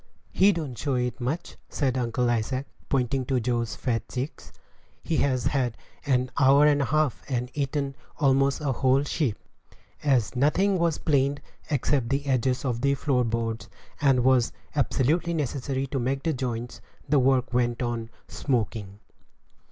"He don't show it much," said Uncle Isaac, pointing to Joe's fat cheeks; "he has had an hour and a half, and eaten almost a whole sheep." As nothing was planed except the edges of the floor boards, and what was absolutely necessary to make the joints, the work went on "smoking."